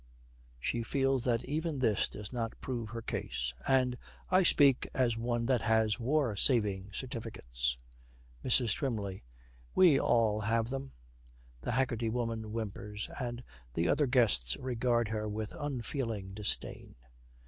She feels that even this does not prove her case. 'And I speak as one that has War Savings Certificates.' MRS. TWYMLEY. 'We all have them.' The Haggerty Woman whimpers, and the other guests regard her with unfeeling disdain.